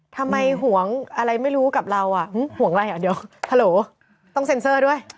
ห่วงอะไรไม่รู้กับเราอ่ะห่วงอะไรอ่ะเดี๋ยวฮัลโหลต้องเซ็นเซอร์ด้วย